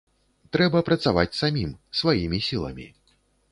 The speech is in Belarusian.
Трэба працаваць самім, сваімі сіламі.